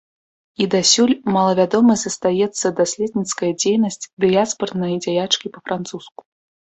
І дасюль малавядомай застаецца даследніцкая дзейнасць дыяспарнай дзяячкі па-французску.